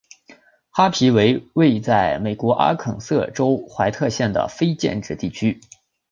哈皮为位在美国阿肯色州怀特县的非建制地区。